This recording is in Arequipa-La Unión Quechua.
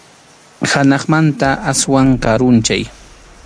Hanaqmanta aswan karunchay.